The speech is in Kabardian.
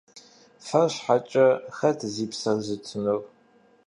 Фэр щхьэкӀэ хэт зи псэр зытынур?